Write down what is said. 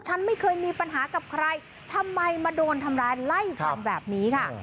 ฉันไม่เคยมีปัญหากับใครทำไมมาโดนทำร้ายไล่ฟันแบบนี้ค่ะ